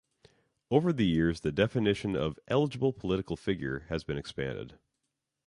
Over the years the definition of "eligible political figure" has been expanded.